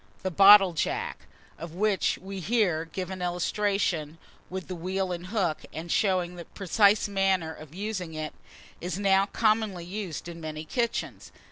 THE BOTTLE JACK, of which we here give an illustration, with the wheel and hook, and showing the precise manner of using it, is now commonly used in many kitchens.